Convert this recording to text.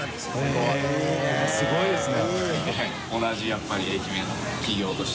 すごいですね。